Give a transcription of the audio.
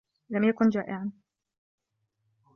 لم يكن جائعا.